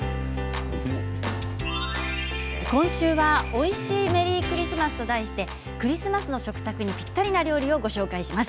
今週はおいしいメリークリスマスと題してクリスマスの食卓にぴったりな料理をご紹介します。